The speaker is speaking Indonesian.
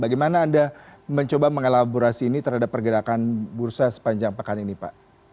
bagaimana anda mencoba mengelaborasi ini terhadap pergerakan bursa sepanjang pekan ini pak